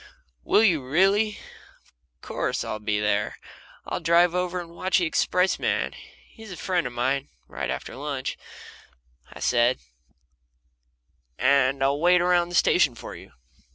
"Will you, really? Of course, I'll be there. I'll drive over with the expressman he's a friend of mine right after lunch," I said, "and I'll wait around the station for you."